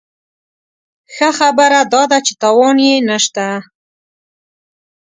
ښه خبره داده چې تاوان یې نه شته.